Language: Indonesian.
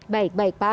baik baik pak alex